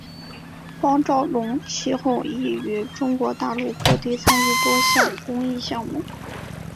包兆龙其后亦于中国大陆各地参与多项公益项目。